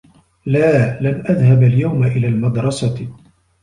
لا، لن أذهب اليوم إلى المدرسة.